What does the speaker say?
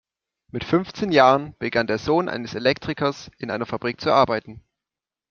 Mit fünfzehn Jahren begann der Sohn eines Elektrikers in einer Fabrik zu arbeiten.